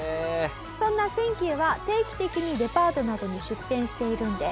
そんな千休は定期的にデパートなどに出店しているんです。